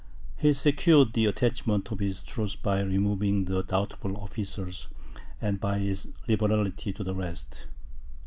He secured the attachment of his troops by removing the doubtful officers, and by his liberality to the rest.